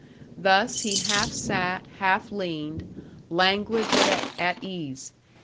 Thus he half sat, half leaned, languid but at ease.